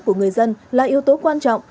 của người dân là yếu tố quan trọng